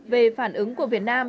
về phản ứng của việt nam